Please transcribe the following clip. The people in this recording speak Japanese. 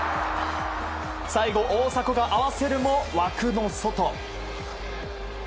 最後、大迫が合わせるも枠の外。